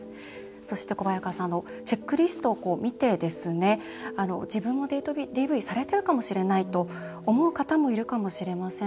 そして、チェックリストを見て自分もデートＤＶされているかもしれないと思う方もいるかもしれません。